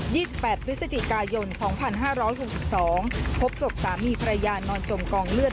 มีความรู้สึกว่ามีความรู้สึกว่า